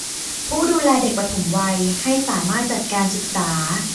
ผู้ดูแลเด็กปฐมวัยให้สามารถจัดการศึกษา